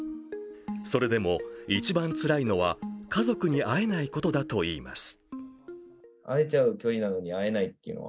それでも一番つらいのは家族に会えないことだといいます。